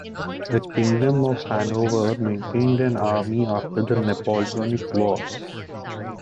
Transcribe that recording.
The Kingdom of Hanover maintained an army after the Napoleonic Wars.